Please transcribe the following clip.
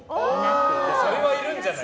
それはいるんじゃない？